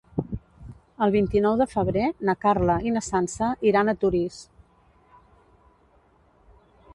El vint-i-nou de febrer na Carla i na Sança iran a Torís.